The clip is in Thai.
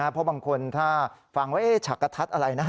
เพราะบางคนถ้าฟังว่าฉากทัศน์อะไรนะ